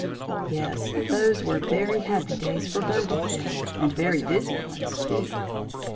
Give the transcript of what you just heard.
Yes, those were very happy days for both of them, and very busy ones, too.